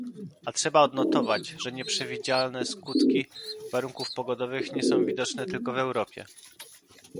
A trzeba odnotować, że nieprzewidziane skutki warunków pogodowych nie są widoczne tylko w Europie